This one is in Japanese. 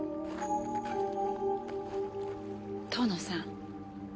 遠野さん。